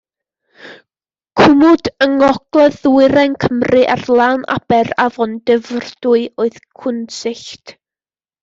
Cwmwd yng ngogledd-ddwyrain Cymru ar lan aber afon Dyfrdwy oedd Cwnsyllt.